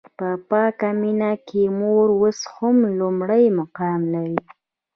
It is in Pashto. په پاکه مینه کې مور اوس هم لومړی مقام لري.